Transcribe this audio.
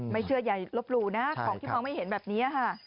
ไม่เชื่อใยลบลูนะของที่หมอไม่เห็นแบบนี้